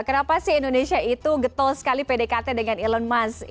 kenapa sih indonesia itu getol sekali pdkt dengan elon musk